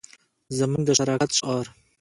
زموږ د شرکت شعار